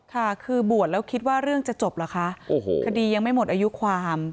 ค่ะคือบวชแล้วคิดว่าเรื่องจะจบเหรอคะโอ้โหคดียังไม่หมดอายุความ